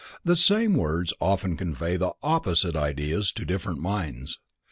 The same words often convey most opposite ideas to different minds.